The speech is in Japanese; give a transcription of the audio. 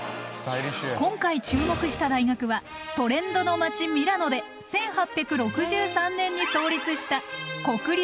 今回注目した大学はトレンドの街ミラノで１８６３年に創立した国立ミラノ工科大学。